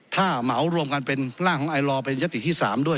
ถ้าเหมารวมกันเป็นร่างของไอลอเป็นยติที่๓ด้วย